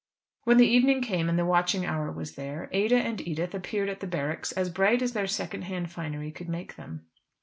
When the evening came, and the witching hour was there, Ada and Edith appeared at the barracks as bright as their second hand finery could make them.